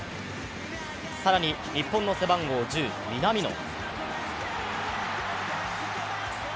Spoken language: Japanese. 更に、日本の背番号１０・南野。